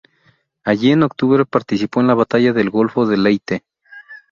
Allí en octubre participó en la batalla del Golfo de Leyte.